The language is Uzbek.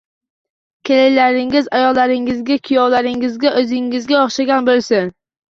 Kelinlaringiz ayolingizga, kuyovlaringiz oʻzingizga oʻxshagan boʻlsin.